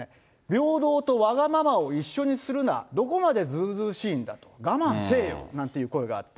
平等とわがままを一緒にするな、どこまで図々しいんだ、我慢せえよなんていう声があった。